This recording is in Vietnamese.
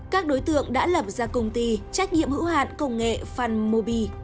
các đối tượng đã lập ra công ty trách nhiệm hữu hạn công nghệ phanmobi